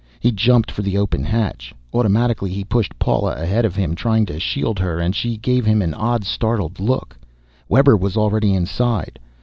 He jumped for the open hatch. Automatically he pushed Paula ahead of him, trying to shield her, and she gave him an odd startled look. Webber was already inside.